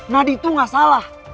nadif tuh gak salah